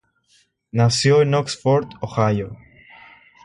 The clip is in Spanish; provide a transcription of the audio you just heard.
Nació en Oxford, Ohio.